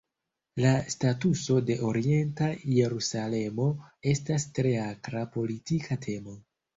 La statuso de Orienta Jerusalemo estas tre akra politika temo.